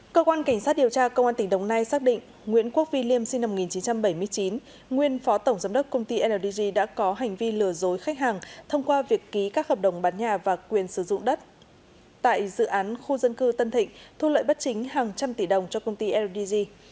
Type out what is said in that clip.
cơ quan cảnh sát điều tra công an tỉnh đồng nai xác định nguyễn quốc vy liêm sinh năm một nghìn chín trăm bảy mươi chín nguyên phó tổng giám đốc công ty ldg đã có hành vi lừa dối khách hàng thông qua việc ký các hợp đồng bán nhà và quyền sử dụng đất tại dự án khu dân cư tân thịnh thu lợi bất chính hàng trăm tỷ đồng cho công ty ldg